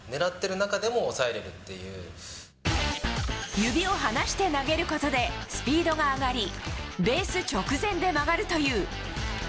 指を離して投げることでスピードが上がりベース直前で曲がるという。